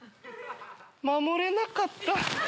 守れなかった。